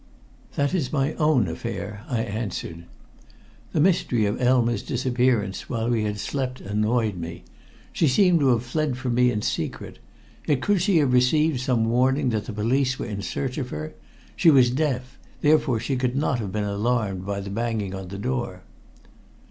"That is my own affair," I answered. The mystery of Elma's disappearance while we had slept annoyed me. She seemed to have fled from me in secret. Yet could she have received some warning that the police were in search of her? She was deaf, therefore she could not have been alarmed by the banging on the door.